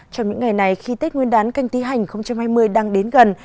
trong những ngày này khi tết nguyên đán canh tí hành hai mươi đang đến gần